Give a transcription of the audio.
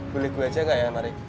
boleh gue aja enggak ya marik